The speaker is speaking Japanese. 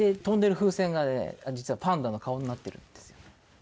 飛んでる風船がね実はパンダの顔になってるんですよ。